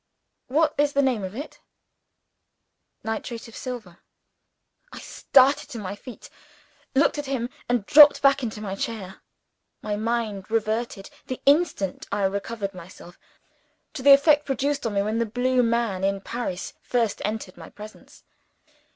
"What is the name of it?" "Nitrate of Silver." I started to my feet, looked at him, and dropped back into my chair. My mind reverted, the instant I recovered myself, to the effect produced on me when the blue man in Paris first entered my presence.